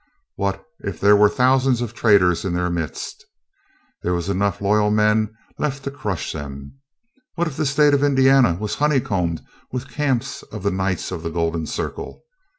What if there were thousands of traitors in their midst? There were enough loyal men left to crush them. What if the state of Indiana was honeycombed with camps of the Knights of the Golden Circle?